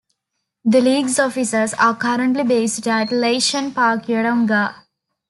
The league's offices are currently based at Leyshon Park Yeronga.